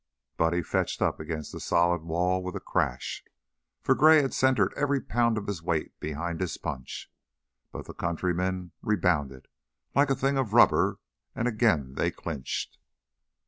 Buddy fetched up against the solid wall with a crash, for Gray had centered every pound of his weight behind his punch, but the countryman rebounded like a thing of rubber and again they clinched.